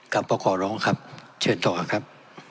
ครับก็ขอร้องครับเชิญต่อครับ